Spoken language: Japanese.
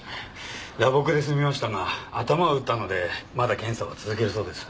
打撲で済みましたが頭を打ったのでまだ検査を続けるそうです。